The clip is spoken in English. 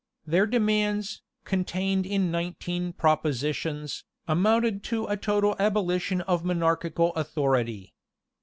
Their demands, contained in nineteen propositions, amounted to a total abolition of monarchical authority.